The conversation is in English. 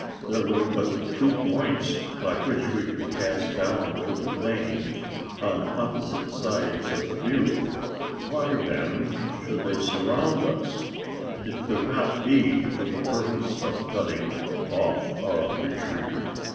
There were but two points by which we could pass down to the plain on opposite sides of the butte why then should they surround it? It could not be for the purpose of cutting off our retreat?